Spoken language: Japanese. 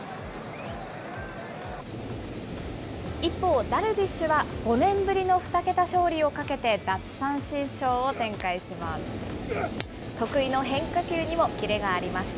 一方、ダルビッシュは５年ぶりの２桁勝利をかけて、奪三振ショーを展開します。